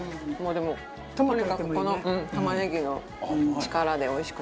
とにかくこの玉ねぎの力でおいしくなる。